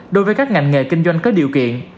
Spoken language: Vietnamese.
đối với các ngành nghề kinh doanh có điều kiện